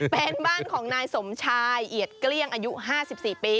เป็นบ้านของนายสมชายเอียดเกลี้ยงอายุ๕๔ปี